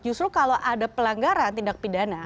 justru kalau ada pelanggaran tindak pidana